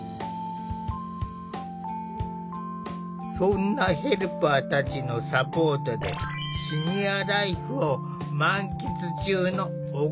そんなヘルパーたちのサポートでシニアライフを満喫中の小笠原さん。